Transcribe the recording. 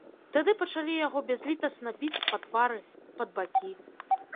Тады пачалі яго бязлітасна біць па твары, пад бакі.